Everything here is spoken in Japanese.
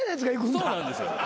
そうなんですよ。